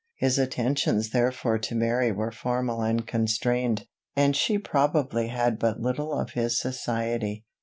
His attentions therefore to Mary were formal and constrained, and she probably had but little of his society.